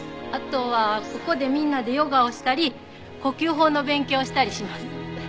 あとはここでみんなでヨガをしたり呼吸法の勉強をしたりします。